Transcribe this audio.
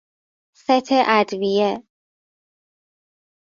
ست ادویه